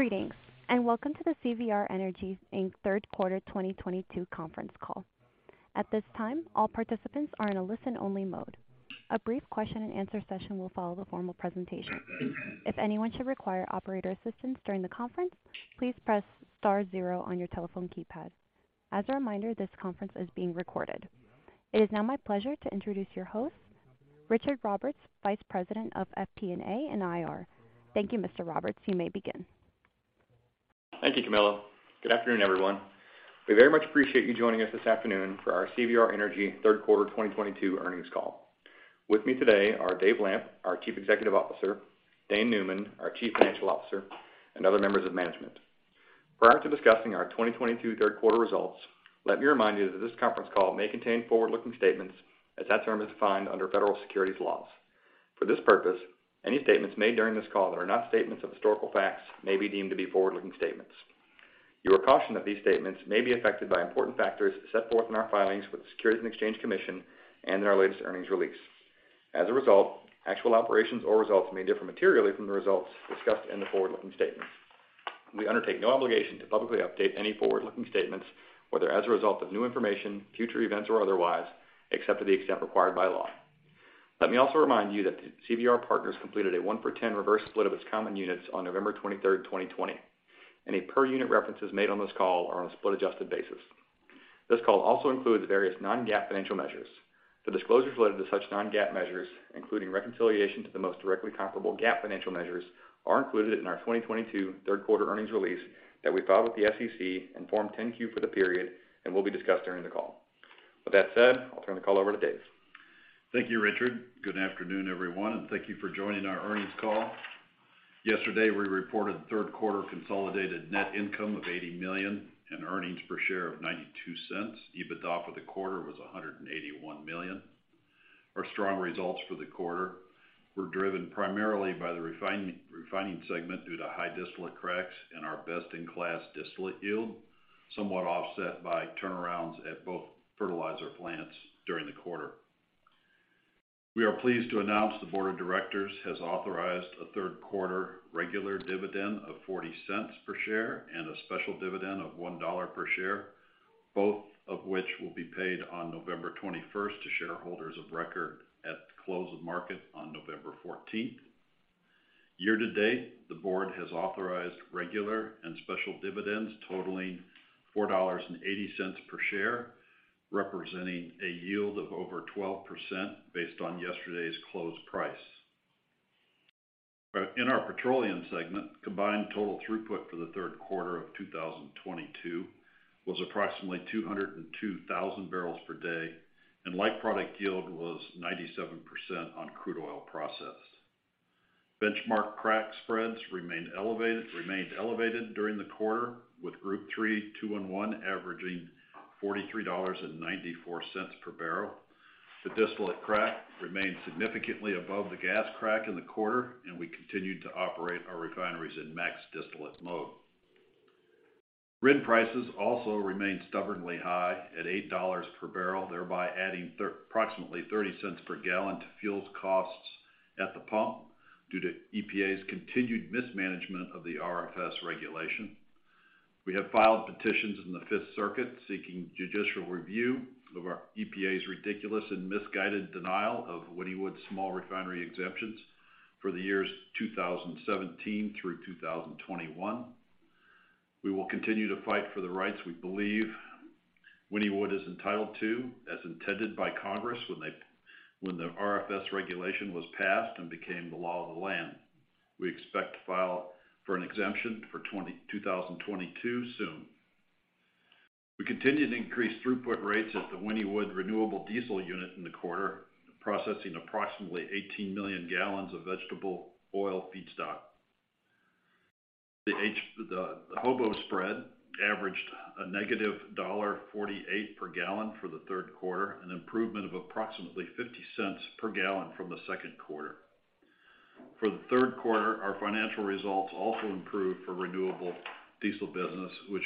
Greetings, and welcome to the CVR Energy, Inc. Third Quarter 2022 Conference Call. At this time, all participants are in a listen-only mode. A brief question-and-answer session will follow the formal presentation. If anyone should require operator assistance during the conference, please press star zero on your telephone keypad. As a reminder, this conference is being recorded. It is now my pleasure to introduce your host, Richard Roberts, Vice President of FP&A and IR. Thank you, Mr. Roberts. You may begin. Thank you, Camilla. Good afternoon, everyone. We very much appreciate you joining us this afternoon for our CVR Energy third quarter 2022 earnings call. With me today are David Lamp, our Chief Executive Officer, Dane Neumann, our Chief Financial Officer, and other members of management. Prior to discussing our 2022 third quarter results, let me remind you that this conference call may contain forward-looking statements as that term is defined under federal securities laws. For this purpose, any statements made during this call that are not statements of historical facts may be deemed to be forward-looking statements. You are cautioned that these statements may be affected by important factors set forth in our filings with the Securities and Exchange Commission and in our latest earnings release. As a result, actual operations or results may differ materially from the results discussed in the forward-looking statements. We undertake no obligation to publicly update any forward-looking statements, whether as a result of new information, future events, or otherwise, except to the extent required by law. Let me also remind you that CVR Partners completed a 1-for-10 reverse split of its common units on November 23, 2020. Any per unit references made on this call are on a split-adjusted basis. This call also includes various non-GAAP financial measures. The disclosures related to such non-GAAP measures, including reconciliation to the most directly comparable GAAP financial measures, are included in our 2022 third quarter earnings release that we filed with the SEC and Form 10-Q for the period and will be discussed during the call. With that said, I'll turn the call over to Dave. Thank you, Richard. Good afternoon, everyone, and thank you for joining our earnings call. Yesterday, we reported third quarter consolidated net income of $80 million and earnings per share of $0.92. EBITDA for the quarter was $181 million. Our strong results for the quarter were driven primarily by the refining segment due to high distillate cracks and our best-in-class distillate yield, somewhat offset by turnarounds at both fertilizer plants during the quarter. We are pleased to announce the Board of Directors has authorized a third quarter regular dividend of $0.40 per share and a special dividend of $1 per share, both of which will be paid on November 21 to shareholders of record at the close of market on November 14. Year to date, the board has authorized regular and special dividends totaling $4.80 per share, representing a yield of over 12% based on yesterday's close price. In our petroleum segment, combined total throughput for the third quarter of 2022 was approximately 202,000 barrels per day, and light product yield was 97% on crude oil processed. Benchmark crack spreads remained elevated during the quarter, with Group 3 2-1-1 averaging $43.94 per barrel. The distillate crack remained significantly above the gas crack in the quarter, and we continued to operate our refineries in max distillate mode. RIN prices also remained stubbornly high at $8 per barrel, thereby adding approximately $0.30 per gallon to fuel costs at the pump due to EPA's continued mismanagement of the RFS regulation. We have filed petitions in the Fifth Circuit seeking judicial review of EPA's ridiculous and misguided denial of Wynnewood small refinery exemptions for the years 2017 through 2021. We will continue to fight for the rights we believe Wynnewood is entitled to as intended by Congress when the RFS regulation was passed and became the law of the land. We expect to file for an exemption for 2022 soon. We continued to increase throughput rates at the Wynnewood renewable diesel unit in the quarter, processing approximately 18 million gallons of vegetable oil feedstock. The HOBO spread averaged -$48 per gallon for the third quarter, an improvement of approximately $0.50 per gallon from the second quarter. For the third quarter, our financial results also improved for renewable diesel business, which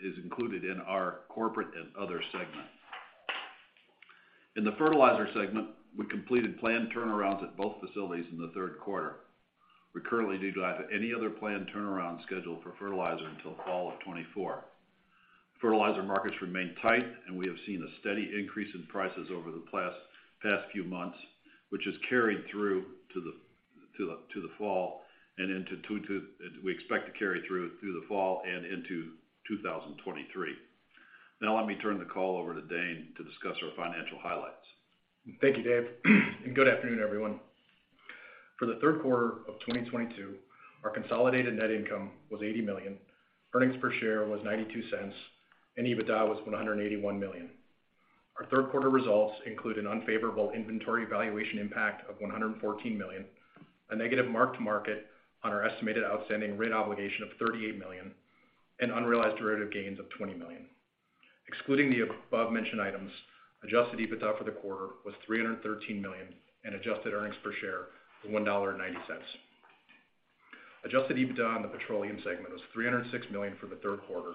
is included in our corporate and other segment. In the fertilizer segment, we completed planned turnarounds at both facilities in the third quarter. We currently do not have any other planned turnaround scheduled for fertilizer until fall of 2024. Fertilizer markets remain tight, and we have seen a steady increase in prices over the past few months, which has carried through to the fall, and we expect to carry through the fall and into 2023. Now, let me turn the call over to Dane to discuss our financial highlights. Thank you, Dave. Good afternoon, everyone. For the third quarter of 2022, our consolidated net income was $80 million, earnings per share was $0.92, and EBITDA was $181 million. Our third quarter results include an unfavorable inventory valuation impact of $114 million, a negative mark-to-market on our estimated outstanding RIN obligation of $38 million, and unrealized derivative gains of $20 million. Excluding the above-mentioned items, adjusted EBITDA for the quarter was $313 million and adjusted earnings per share was $1.90. Adjusted EBITDA on the petroleum segment was $306 million for the third quarter,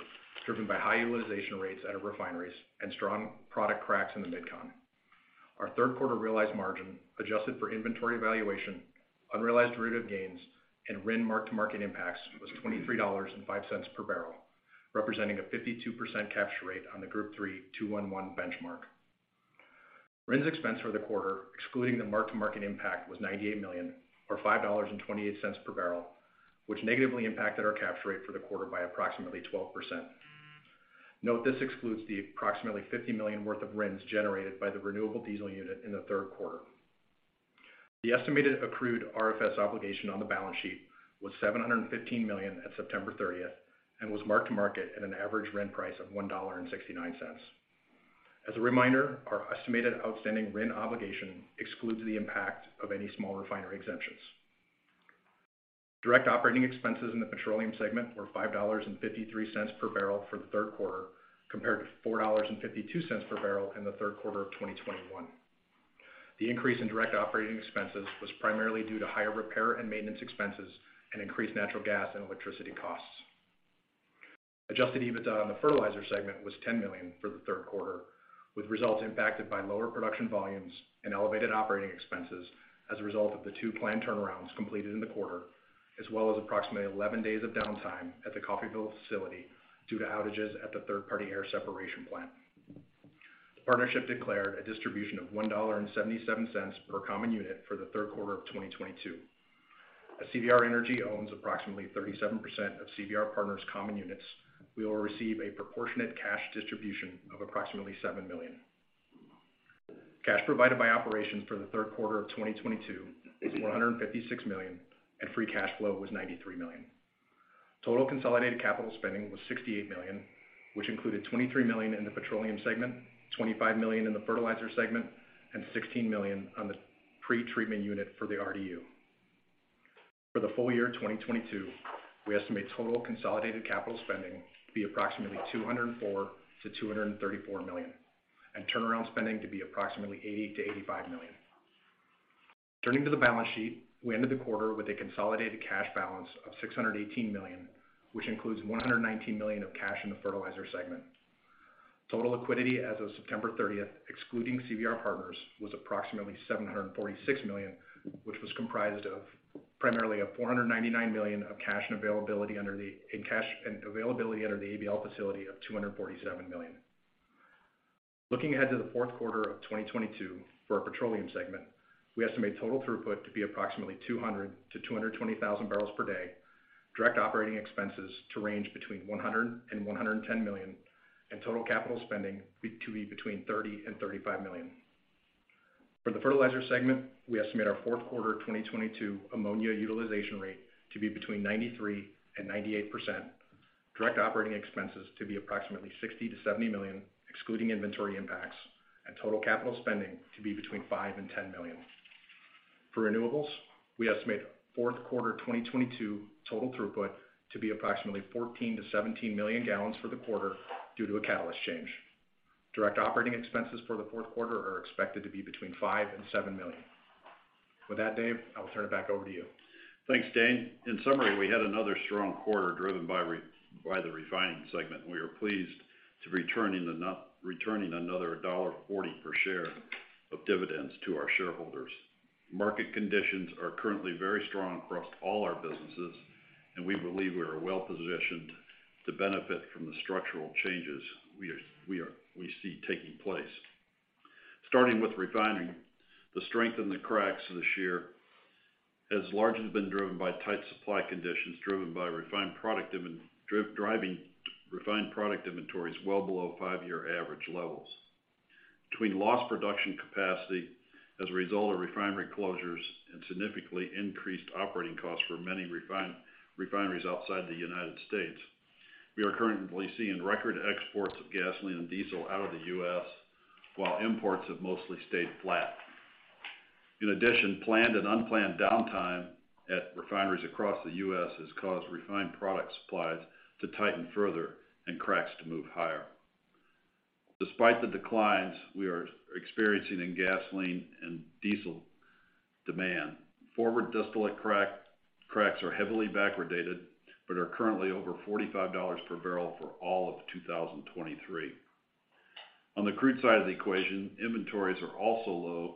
driven by high utilization rates out of refineries and strong product cracks in the MidCon. Our third quarter realized margin, adjusted for inventory valuation, unrealized derivative gains, and RIN mark-to-market impacts, was $23.05 per barrel, representing a 52% capture rate on the Group 3 2-1-1 benchmark. RIN's expense for the quarter, excluding the mark-to-market impact, was $98 million, or $5.28 per barrel, which negatively impacted our capture rate for the quarter by approximately 12%. Note, this excludes the approximately $50 million worth of RINs generated by the renewable diesel unit in the third quarter. The estimated accrued RFS obligation on the balance sheet was $715 million at September 30th, and was mark-to-market at an average RIN price of $1.69. As a reminder, our estimated outstanding RIN obligation excludes the impact of any small refinery exemptions. Direct operating expenses in the petroleum segment were $5.53 per barrel for the third quarter, compared to $4.52 per barrel in the third quarter of 2021. The increase in direct operating expenses was primarily due to higher repair and maintenance expenses and increased natural gas and electricity costs. Adjusted EBITDA in the fertilizer segment was $10 million for the third quarter, with results impacted by lower production volumes and elevated operating expenses as a result of the two planned turnarounds completed in the quarter, as well as approximately 11 days of downtime at the Coffeyville facility due to outages at the third-party air separation plant. The partnership declared a distribution of $1.77 per common unit for the third quarter of 2022. As CVR Energy owns approximately 37% of CVR Partners common units, we will receive a proportionate cash distribution of approximately $7 million. Cash provided by operations for the third quarter of 2022 was $456 million, and free cash flow was $93 million. Total consolidated capital spending was $68 million, which included $23 million in the petroleum segment, $25 million in the fertilizer segment, and $16 million on the pretreatment unit for the RDU. For the full year 2022, we estimate total consolidated capital spending to be approximately $204 million-$234 million, and turnaround spending to be approximately $80 million-$85 million. Turning to the balance sheet, we ended the quarter with a consolidated cash balance of $618 million, which includes $119 million of cash in the fertilizer segment. Total liquidity as of September 30, excluding CVR Partners, was approximately $746 million, which was comprised of primarily of $499 million of cash and availability under the ABL facility of $247 million. Looking ahead to the fourth quarter of 2022 for our petroleum segment, we estimate total throughput to be approximately 200,000-220,000 barrels per day, direct operating expenses to range between $100 million-$110 million, and total capital spending to be between $30 million-$35 million. For the fertilizer segment, we estimate our fourth quarter 2022 ammonia utilization rate to be between 93%-98%, direct operating expenses to be approximately $60 million-$70 million, excluding inventory impacts, and total capital spending to be between $5 million-$10 million. For renewables, we estimate fourth quarter 2022 total throughput to be approximately 14 million-17 million gallons for the quarter due to a catalyst change. Direct operating expenses for the fourth quarter are expected to be between $5 million-$7 million. With that, Dave, I will turn it back over to you. Thanks, Dane. In summary, we had another strong quarter driven by the refining segment. We are pleased to returning another $1.40 per share of dividends to our shareholders. Market conditions are currently very strong across all our businesses, and we believe we are well-positioned to benefit from the structural changes we see taking place. Starting with refining, the strength in the cracks this year has largely been driven by tight supply conditions, driving refined product inventories well below five-year average levels. Between lost production capacity as a result of refinery closures and significantly increased operating costs for many refineries outside the United States, we are currently seeing record exports of gasoline and diesel out of the U.S., while imports have mostly stayed flat. In addition, planned and unplanned downtime at refineries across the U.S. has caused refined product supplies to tighten further and cracks to move higher. Despite the declines we are experiencing in gasoline and diesel demand, forward distillate cracks are heavily backwardated, but are currently over $45 per barrel for all of 2023. On the crude side of the equation, inventories are also low,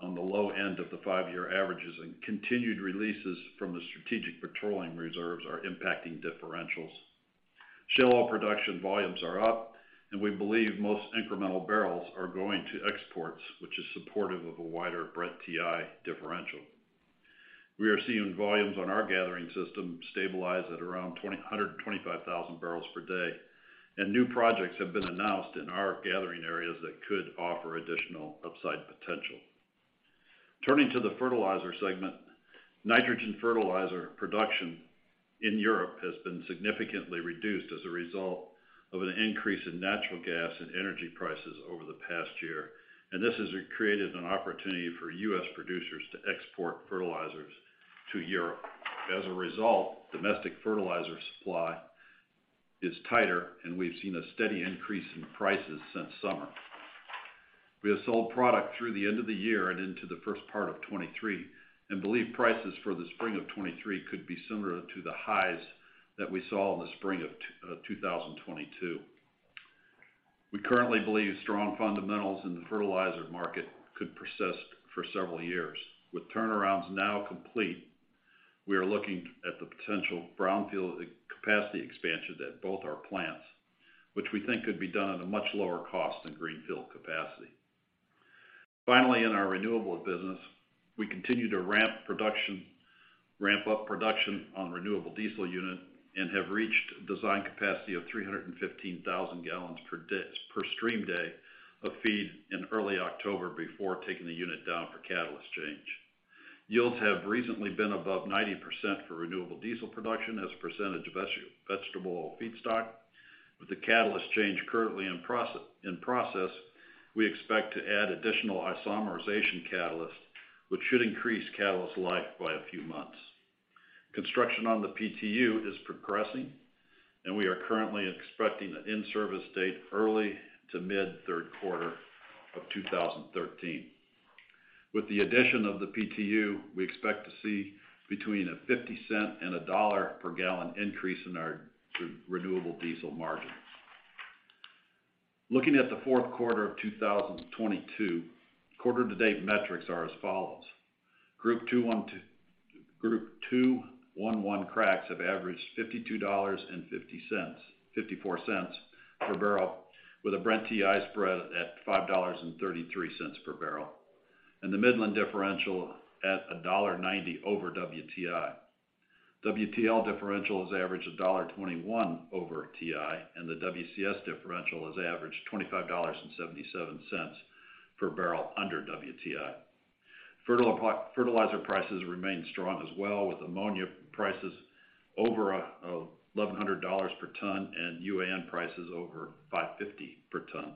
on the low end of the five-year averages, and continued releases from the Strategic Petroleum Reserve are impacting differentials. Shale oil production volumes are up, and we believe most incremental barrels are going to exports, which is supportive of a wider Brent-WTI differential. We are seeing volumes on our gathering system stabilize at around 225,000 barrels per day, and new projects have been announced in our gathering areas that could offer additional upside potential. Turning to the fertilizer segment, nitrogen fertilizer production in Europe has been significantly reduced as a result of an increase in natural gas and energy prices over the past year, and this has created an opportunity for U.S. producers to export fertilizers to Europe. As a result, domestic fertilizer supply is tighter, and we've seen a steady increase in prices since summer. We have sold product through the end of the year and into the first part of 2023, and believe prices for the spring of 2023 could be similar to the highs that we saw in the spring of 2022. We currently believe strong fundamentals in the fertilizer market could persist for several years. With turnarounds now complete, we are looking at the potential brownfield capacity expansion at both our plants, which we think could be done at a much lower cost than greenfield capacity. Finally, in our renewables business, we continue to ramp up production on renewable diesel unit and have reached design capacity of 315,000 gallons per stream day of feed in early October before taking the unit down for catalyst change. Yields have recently been above 90% for renewable diesel production as a percentage of vegetable feedstock. With the catalyst change currently in process, we expect to add additional isomerization catalysts, which should increase catalyst life by a few months. Construction on the PTU is progressing, and we are currently expecting an in-service date early to mid third quarter of 2023. With the addition of the PTU, we expect to see between a $0.50 and a $1 per gallon increase in our renewable diesel margins. Looking at the fourth quarter of 2022, quarter to date metrics are as follows: Group 3 2-1-1 cracks have averaged $52.54 per barrel, with a Brent-WTI spread at $5.33 per barrel, and the Midland differential at $1.90 over WTI. WTL differential has averaged $1.21 over WTI, and the WCS differential has averaged $25.77 per barrel under WTI. Fertilizer prices remain strong as well, with ammonia prices over $1,100 per ton and UAN prices over $550 per ton.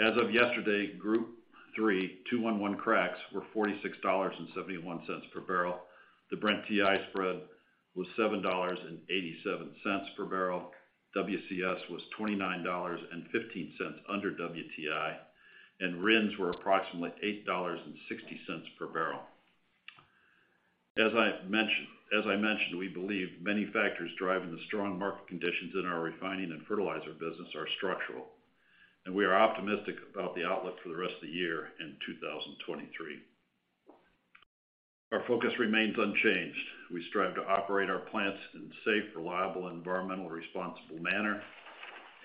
As of yesterday, Group 3 2-1-1 cracks were $46.71 per barrel. The Brent-WTI spread was $7.87 per barrel. WCS was $29.15 under WTI, and RINs were approximately $8.60 per barrel. As I mentioned, we believe many factors driving the strong market conditions in our refining and fertilizer business are structural, and we are optimistic about the outlook for the rest of the year in 2023. Our focus remains unchanged. We strive to operate our plants in a safe, reliable, and environmentally responsible manner,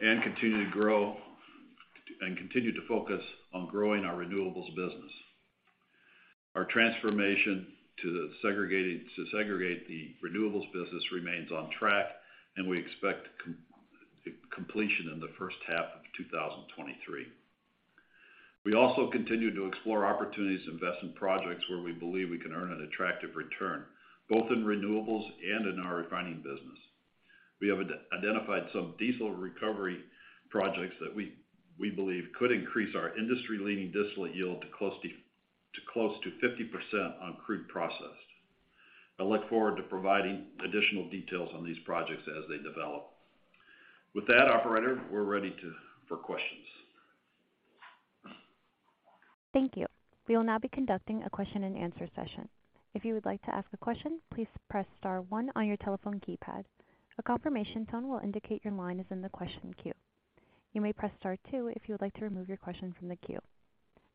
and continue to focus on growing our renewables business. Our transformation to segregate the renewables business remains on track, and we expect completion in the first half of 2023. We also continue to explore opportunities to invest in projects where we believe we can earn an attractive return, both in renewables and in our refining business. We have identified some diesel recovery projects that we believe could increase our industry-leading distillate yield to close to 50% on crude processed. I look forward to providing additional details on these projects as they develop. With that, operator, we're ready for questions. Thank you. We will now be conducting a question-and-answer session. If you would like to ask a question, please press star one on your telephone keypad. A confirmation tone will indicate your line is in the question queue. You may press star two if you would like to remove your question from the queue.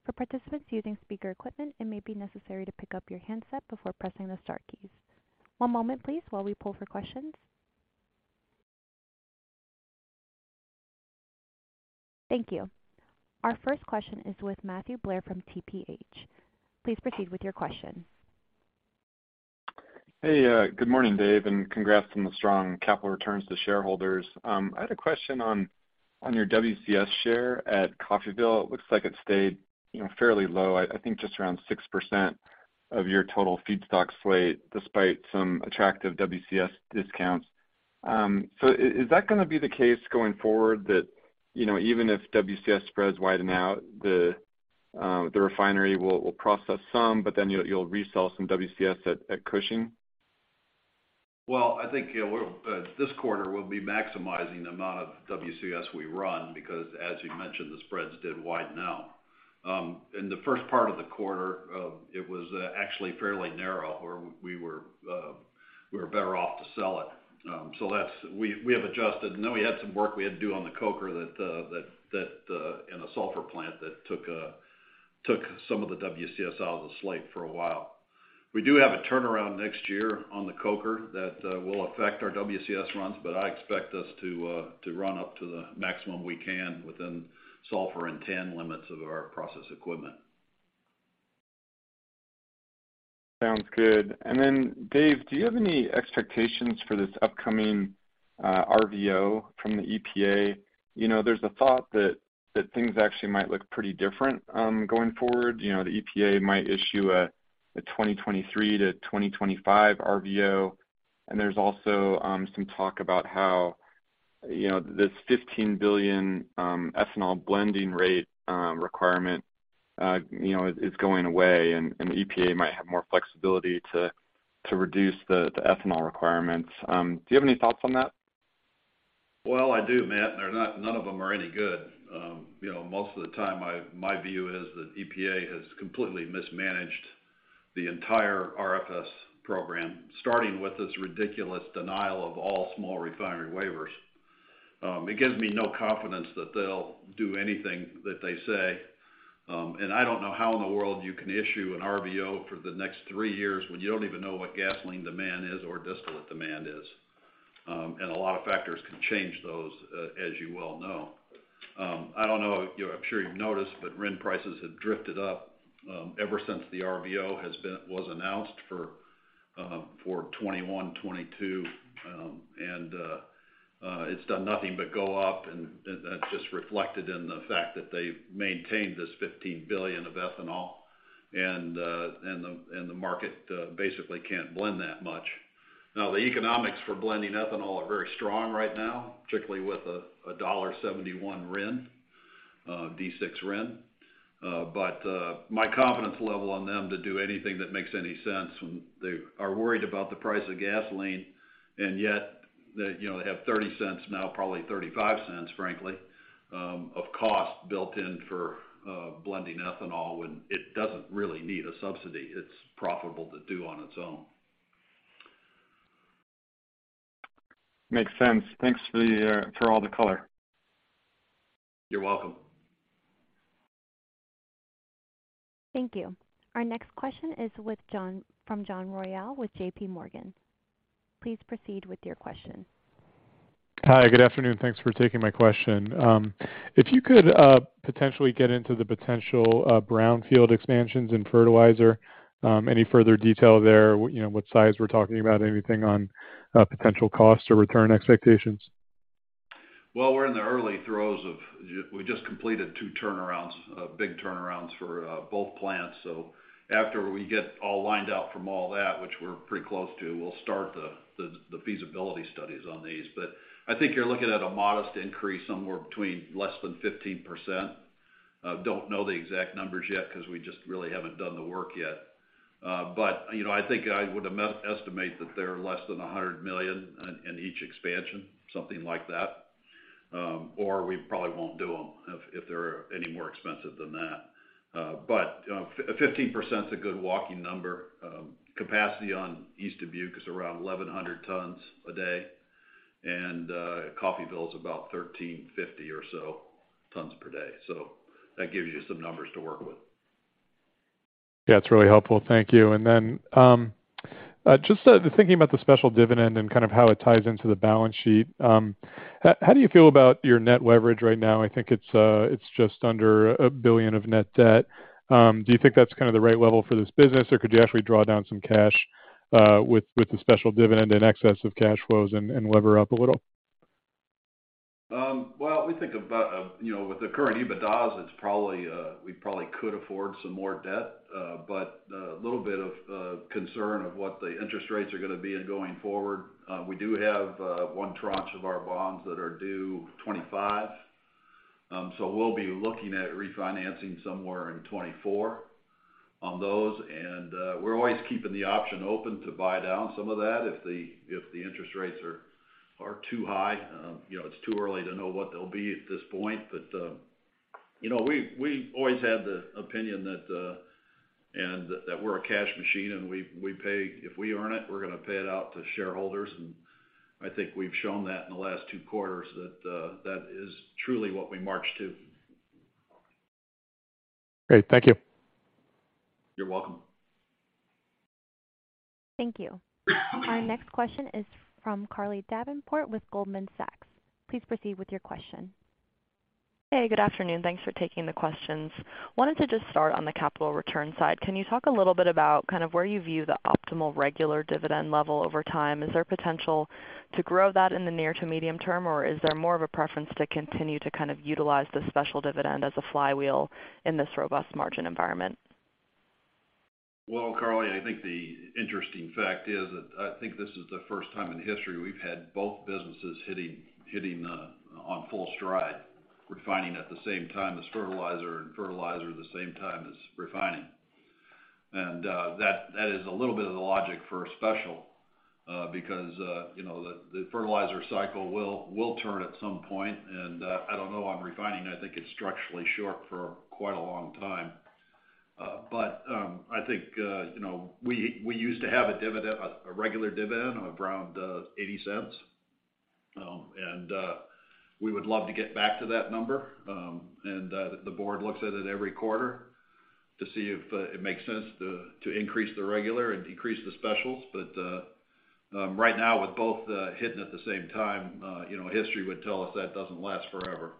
For participants using speaker equipment, it may be necessary to pick up your handset before pressing the star keys. One moment, please, while we poll for questions. Thank you. Our first question is with Matthew Blair from TPH. Please proceed with your question. Hey, good morning, Dave, and congrats on the strong capital returns to shareholders. I had a question on your WCS share at Coffeyville. It looks like it stayed, you know, fairly low, I think just around 6% of your total feedstock slate despite some attractive WCS discounts. Is that gonna be the case going forward that, you know, even if WCS spreads widen out, the refinery will process some, but then you'll resell some WCS at Cushing? Well, I think, you know, we're this quarter we'll be maximizing the amount of WCS we run because as you mentioned, the spreads did widen out. In the first part of the quarter, it was actually fairly narrow where we were better off to sell it. That's. We have adjusted. Then we had some work we had to do on the coker that in the sulfur plant that took some of the WCS out of the slate for a while. We do have a turnaround next year on the coker that will affect our WCS runs, but I expect us to run up to the maximum we can within sulfur and TAN limits of our process equipment. Sounds good. Dave, do you have any expectations for this upcoming RVO from the EPA? You know, there's a thought that things actually might look pretty different going forward. You know, the EPA might issue a 2023-2025 RVO, and there's also some talk about how you know this 15 billion ethanol blending rate requirement you know is going away and EPA might have more flexibility to reduce the ethanol requirements. Do you have any thoughts on that? Well, I do, Matt. None of them are any good. You know, most of the time, my view is that EPA has completely mismanaged the entire RFS program, starting with this ridiculous denial of all small refinery waivers. It gives me no confidence that they'll do anything that they say. I don't know how in the world you can issue an RVO for the next three years when you don't even know what gasoline demand is or distillate demand is. A lot of factors can change those, as you well know. I don't know, you know, I'm sure you've noticed, but RIN prices have drifted up, ever since the RVO was announced for 2021, 2022. It's done nothing but go up, and that's just reflected in the fact that they've maintained this 15 billion of ethanol and the market basically can't blend that much. Now, the economics for blending ethanol are very strong right now, particularly with a $1.71 RIN, D6 RIN. My confidence level on them to do anything that makes any sense when they are worried about the price of gasoline, and yet they, you know, they have $0.30 now, probably $0.35, frankly, of cost built in for blending ethanol when it doesn't really need a subsidy. It's profitable to do on its own. Makes sense. Thanks for all the color. You're welcome. Thank you. Our next question is from John Royall with J.P. Morgan. Please proceed with your question. Hi, good afternoon. Thanks for taking my question. If you could potentially get into the potential brownfield expansions in fertilizer any further detail there? You know, what size we're talking about? Anything on potential costs or return expectations? Well, we're in the early throes. We just completed two turnarounds, big turnarounds for both plants. After we get all lined up from all that, which we're pretty close to, we'll start the feasibility studies on these. I think you're looking at a modest increase, somewhere between less than 15%. Don't know the exact numbers yet 'cause we just really haven't done the work yet. You know, I think I would estimate that they're less than $100 million in each expansion, something like that. We probably won't do them if they're any more expensive than that. 15% is a good working number. Capacity on East Dubuque is around 1,100 tons a day, and Coffeyville is about 1,350 or so tons per day. That gives you some numbers to work with. Yeah, that's really helpful. Thank you. Just thinking about the special dividend and kind of how it ties into the balance sheet, how do you feel about your net leverage right now? I think it's just under $1 billion of net debt. Do you think that's kind of the right level for this business, or could you actually draw down some cash with the special dividend in excess of cash flows and lever up a little? Well, we think about, you know, with the current EBITDA, it's probably we could afford some more debt, but a little bit of concern of what the interest rates are gonna be going forward. We do have one tranche of our bonds that are due 2025. So we'll be looking at refinancing somewhere in 2024 on those. We're always keeping the option open to buy down some of that if the interest rates are too high. You know, it's too early to know what they'll be at this point. You know, we always had the opinion that we're a cash machine, and we pay. If we earn it, we're gonna pay it out to shareholders. I think we've shown that in the last two quarters that is truly what we march to. Great. Thank you. You're welcome. Thank you. Our next question is from Carly Davenport with Goldman Sachs. Please proceed with your question. Hey, good afternoon. Thanks for taking the questions. Wanted to just start on the capital return side. Can you talk a little bit about kind of where you view the optimal regular dividend level over time? Is there potential to grow that in the near to medium term, or is there more of a preference to continue to kind of utilize the special dividend as a flywheel in this robust margin environment? Well, Carly, I think the interesting fact is that I think this is the first time in history we've had both businesses hitting on full stride. Refining at the same time as fertilizer and fertilizer at the same time as refining. That is a little bit of the logic for a special because you know the fertilizer cycle will turn at some point. I don't know, on refining, I think it's structurally short for quite a long time. I think you know we used to have a dividend, a regular dividend of around $0.80. We would love to get back to that number. The board looks at it every quarter to see if it makes sense to increase the regular and decrease the specials. Right now with both hitting at the same time, you know, history would tell us that doesn't last forever.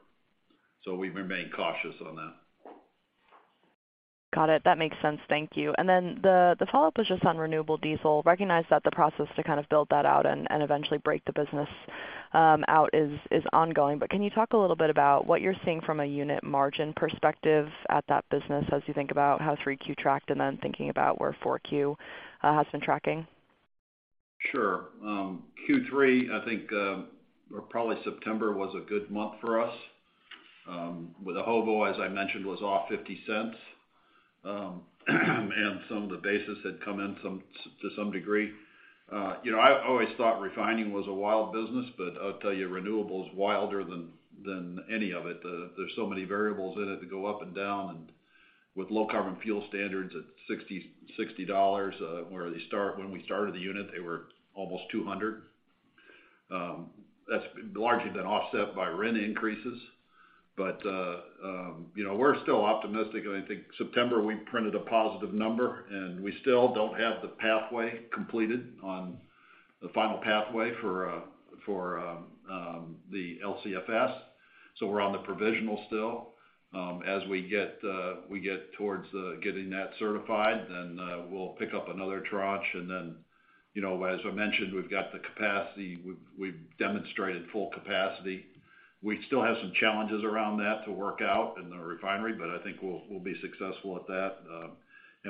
We remain cautious on that. Got it. That makes sense. Thank you. The follow-up is just on renewable diesel. Recognize that the process to kind of build that out and eventually break the business out is ongoing. Can you talk a little bit about what you're seeing from a unit margin perspective at that business as you think about how 3Q tracked and then thinking about where 4Q has been tracking? Sure. Q3, I think, or probably September was a good month for us. With the HOBO, as I mentioned, was off $0.50. Some of the basis had come in to some degree. You know, I always thought refining was a wild business, but I'll tell you, renewable is wilder than any of it. There's so many variables in it that go up and down. With Low Carbon Fuel Standards at $60, where they start. When we started the unit, they were almost $200. That's largely been offset by RIN increases. You know, we're still optimistic. I think September, we printed a positive number, and we still don't have the pathway completed on the final pathway for the LCFS. We're on the provisional still. As we get towards getting that certified, then we'll pick up another tranche. You know, as I mentioned, we've got the capacity. We've demonstrated full capacity. We still have some challenges around that to work out in the refinery, but I think we'll be successful at that.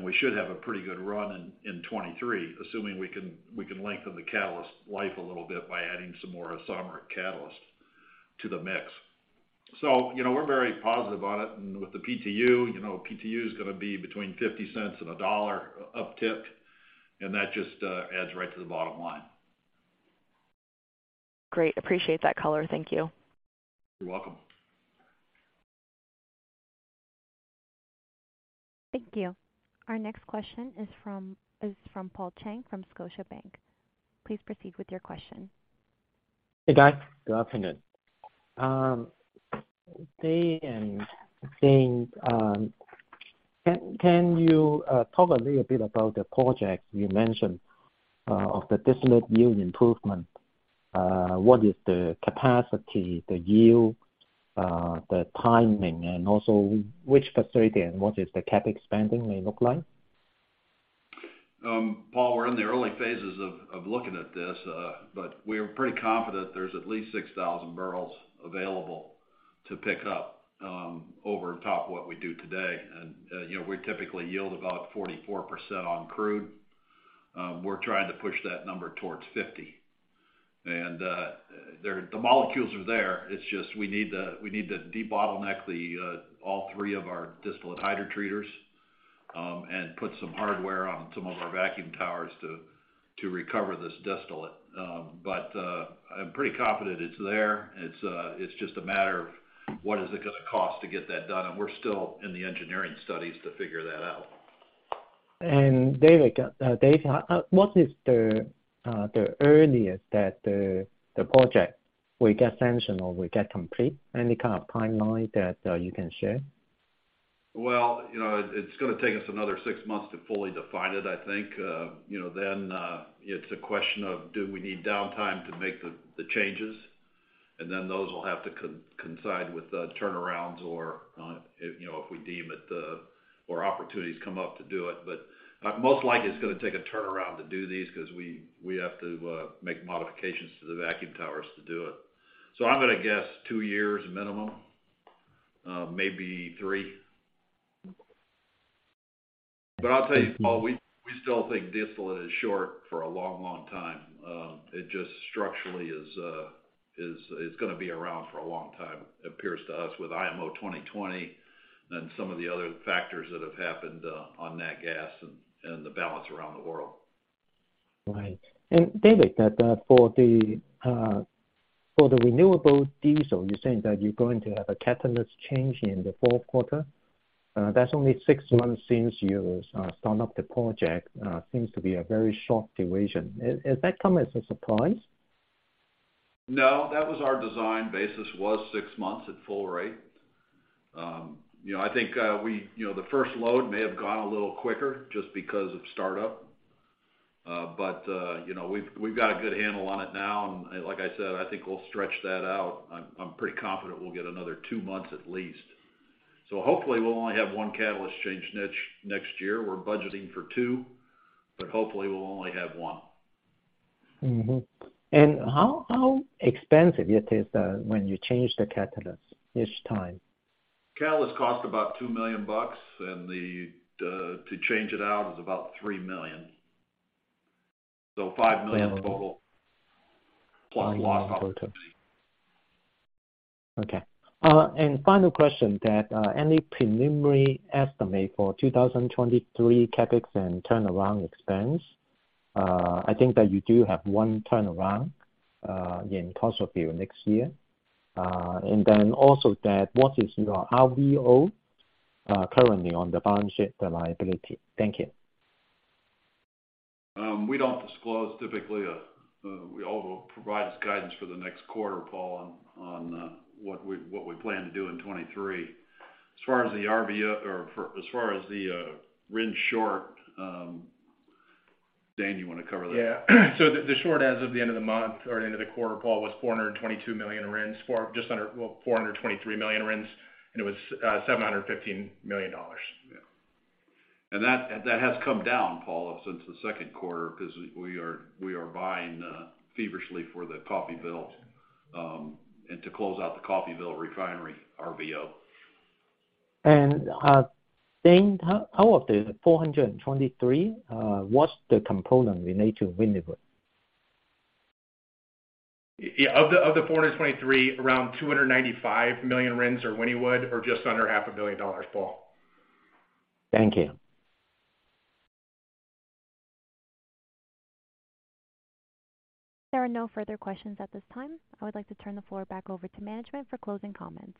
We should have a pretty good run in 2023, assuming we can lengthen the catalyst life a little bit by adding some more isomer catalyst to the mix. You know, we're very positive on it. With the PTU, you know, PTU is gonna be between $0.50 and $1 uptick, and that just adds right to the bottom line. Great. Appreciate that color. Thank you. You're welcome. Thank you. Our next question is from Paul Cheng from Scotiabank. Please proceed with your question. Hey, guys. Good afternoon. Dave and Dane, can you talk a little bit about the projects you mentioned of the distillate yield improvement? What is the capacity, the yield, the timing, and also which facility and what is the CapEx spending may look like? Paul, we're in the early phases of looking at this. We're pretty confident there's at least 6,000 barrels available to pick up over top of what we do today. You know, we typically yield about 44% on crude. We're trying to push that number towards 50%. The molecules are there, it's just we need to debottleneck all three of our distillate hydrotreaters and put some hardware on some of our vacuum towers to recover this distillate. I'm pretty confident it's there. It's just a matter of what it's gonna cost to get that done, and we're still in the engineering studies to figure that out. Dave, what is the earliest that the project will get sanctioned or will get complete? Any kind of timeline that you can share? Well, you know, it's gonna take us another six months to fully define it, I think. Then, it's a question of do we need downtime to make the changes? Those will have to consider with the turnarounds or, if you know, if we deem it or opportunities come up to do it. Most likely it's gonna take a turnaround to do these 'cause we have to make modifications to the vacuum towers to do it. I'm gonna guess two years minimum, maybe three. I'll tell you, Paul, we still think distillate is short for a long, long time. It just structurally is gonna be around for a long time, appears to us with IMO 2020 than some of the other factors that have happened on nat gas and the balance around the world. Right. David, for the renewable diesel, you're saying that you're going to have a catalyst change in the fourth quarter. That's only six months since you spun up the project. Seems to be a very short duration. Does that come as a surprise? No. That was our design basis, was six months at full rate. You know, I think, you know, the first load may have gone a little quicker just because of startup. You know, we've got a good handle on it now. Like I said, I think we'll stretch that out. I'm pretty confident we'll get another two months at least. Hopefully, we'll only have one catalyst change next year. We're budgeting for two, but hopefully, we'll only have one. How expensive it is when you change the catalyst each time? Catalyst costs about $2 million, and to change it out is about $3 million. $5 million total. $5 million. The lost opportunity. Okay. Final question: any preliminary estimate for 2023 CapEx and turnaround expense? I think that you do have one turnaround, again, Coffeyville next year. What is your RVO currently on the balance sheet, the liability? Thank you. We don't disclose typically. We'll provide our guidance for the next quarter, Paul, on what we plan to do in 2023. As far as the RVO or RIN short, Dane, you wanna cover that? The short as of the end of the month or end of the quarter, Paul, was 422 million RINs, just under 423 million RINs, and it was $715 million. Yeah. That has come down, Paul, since the second quarter 'cause we are buying feverishly for the Coffeyville and to close out the Coffeyville Refinery RVO. Dane, how of the 423 million, what's the component related to Wynnewood? Yeah. Of the 423 million, around 295 million RINs are Wynnewood or just under half a billion dollars, Paul. Thank you. There are no further questions at this time. I would like to turn the floor back over to management for closing comments.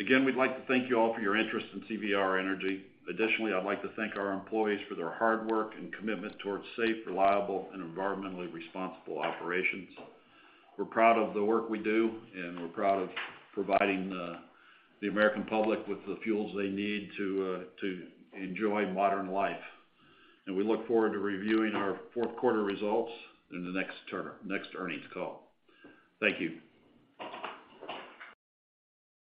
Again, we'd like to thank you all for your interest in CVR Energy. Additionally, I'd like to thank our employees for their hard work and commitment towards safe, reliable, and environmentally responsible operations. We're proud of the work we do, and we're proud of providing the American public with the fuels they need to enjoy modern life. We look forward to reviewing our fourth quarter results in the next earnings call. Thank you.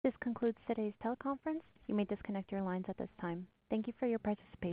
This concludes today's teleconference. You may disconnect your lines at this time. Thank you for your participation.